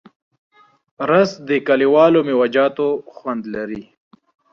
رس د کلیوالو میوهجاتو خوند لري